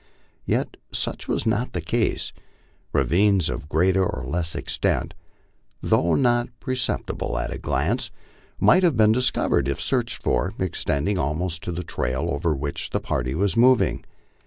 Yet such was not the case. Ravines of greater or less extent, though not perceptible at a glance, might have been discovered if searched for, extending almost to the trail over which the party was moving.